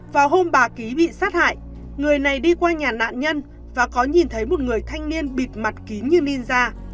vào hôm bà ký bị sát hại người này đi qua nhà nạn nhân và có nhìn thấy một người thanh niên bịt mặt kín như min ra